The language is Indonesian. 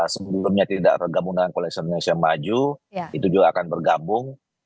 sebelumnya tidak bergabung dengan koalisi indonesia maju itu juga akan bergabung